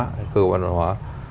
cơ quan văn hóa